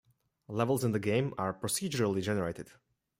Levels in the game are procedurally generated.